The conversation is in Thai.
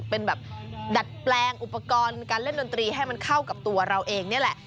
เป็นแบบดัดแปลงอุปกรณ์การเล่นดนตรีให้มันเข้ากับตัวเราเองนี่แหละ